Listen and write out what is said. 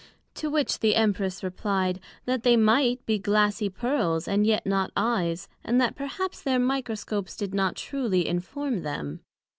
To which the Emperess replied, That they might be glassie Pearls, and yet not Eyes; and that perhaps their Microscopes did not truly inform them.